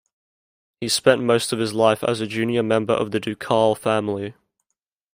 He spent most of his life as a junior member of the ducal family.